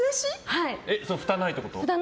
ふたがないってこと？